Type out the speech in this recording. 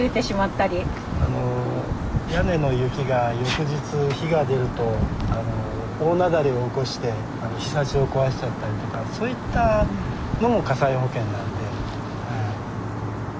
屋根の雪が翌日日が出ると大雪崩を起こしてひさしを壊しちゃったりとかそういったのも火災保険なんで。